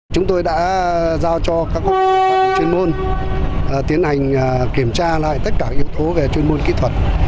chúng tôi đã giao cho các chuyên môn tiến hành kiểm tra lại tất cả yếu tố về chuyên môn kỹ thuật